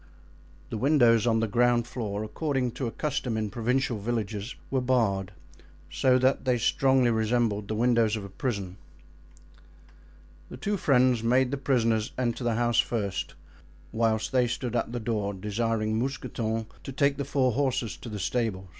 The windows on the ground floor, according to a custom in provincial villages, were barred, so that they strongly resembled the windows of a prison. The two friends made the prisoners enter the house first, whilst they stood at the door, desiring Mousqueton to take the four horses to the stable.